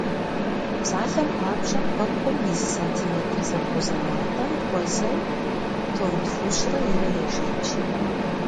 Псалъэм папщӏэ, куэпкъым и зы сантиметр зэбгъузэнатӏэм хуэзэу тонн тхущӏрэ ирэ ешэч!